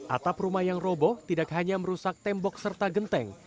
atap rumah yang roboh tidak hanya merusak tembok serta genteng